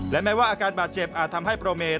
และแม้ว่าอาการบาดเจ็บอาจทำให้โปรเมน